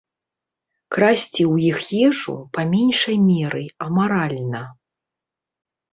Красці ў іх ежу, па меншай меры, амаральна.